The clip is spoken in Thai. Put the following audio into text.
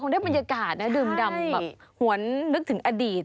ได้บรรยากาศนะดื่มดำแบบหวนนึกถึงอดีต